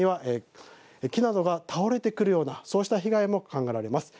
木などが倒れてくるような被害も考えられます。